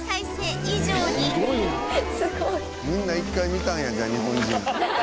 すごい！みんな一回見たんやじゃあ日本人。